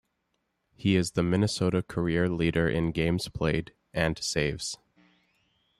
He is the Minnesota career leader in games played, and saves.